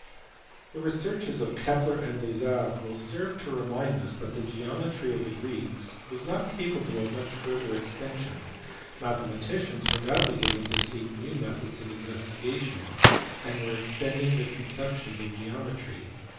The researches of Kepler and Desargues will serve to remind us that as the geometry of the Greeks was not capable of much further extension, mathematicians were now beginning to seek for new methods of investigation, and were extending the conceptions of geometry.